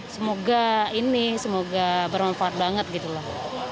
semoga ini semoga bermanfaat banget gitu loh